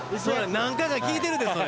何回か聞いてるでそれ。